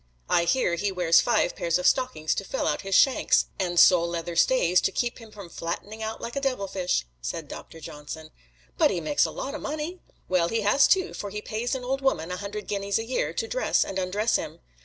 "I hear he wears five pairs of stockings to fill out his shanks, and sole leather stays to keep him from flattening out like a devilfish," said Doctor Johnson. "But he makes a lot o' money!" "Well, he has to, for he pays an old woman a hundred guineas a year to dress and undress him."